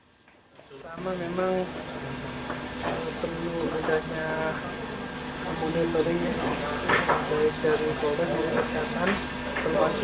memang memang perlu menjadinya monitoring dari kesehatan termasuk dari pihak lainnya